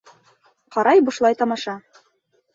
Ҡарай бушлай тамаша.